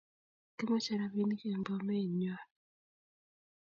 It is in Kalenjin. Kimache rapinik en Bomet inyon